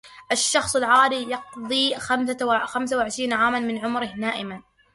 الشخص العادي يقضي خمسة وعشرين عاماً من عمره نائماً.